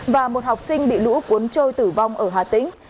và một học sinh bị lũ cuốn trôi tử vong ở hà tĩnh